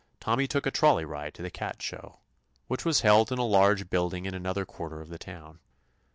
Tommy took a trolley ride to the cat show, which was held in a large build ing in another quarter of the town.